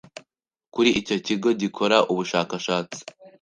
kuri icyo kigo gikora ubushakashatsi